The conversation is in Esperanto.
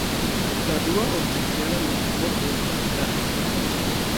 La dua oficiala lingvo estas la angla.